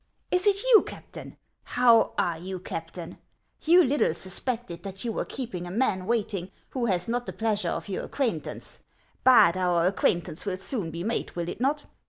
<; Is it you, Captain ? How are you, Captain ? You little suspected that you were keeping a man waiting who has not the pleasure of your acquaintance ; but our acquaint ance will soon be made, will it not